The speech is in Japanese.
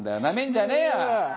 なめんじゃねえよ！